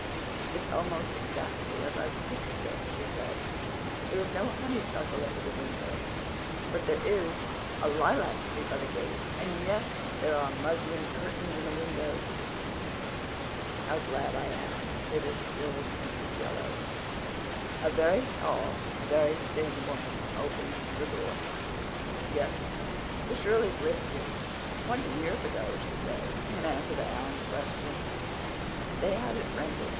"It's almost exactly as I've pictured it," she said. "There is no honeysuckle over the windows, but there is a lilac tree by the gate, and—yes, there are the muslin curtains in the windows. How glad I am it is still painted yellow." A very tall, very thin woman opened the door. "Yes, the Shirleys lived here twenty years ago," she said, in answer to Anne's question. "They had it rented.